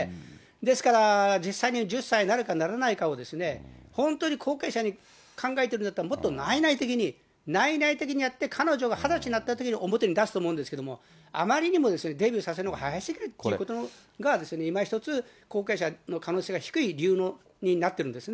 ですから実際に１０歳になるかならないかを、本当に後継者に考えてるんだったら、もっと内々的に、内々的にやって、彼女が２０歳になったときに表に出すと思うんですけれども、あまりにもデビューさせるのが早すぎるっていうことが、今ひとつ後継者の可能性が低い理由になってるんですね。